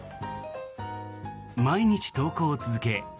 毎日投稿を続け